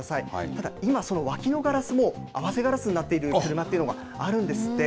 ただ今、その脇のガラスも合わせガラスになっている車っていうのがあるんですって。